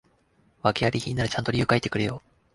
訳あり品ならちゃんと理由書いてくれよ